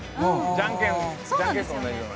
じゃんけんと同じような。